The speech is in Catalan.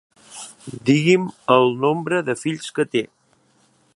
Digui'm el nombre de fills que té.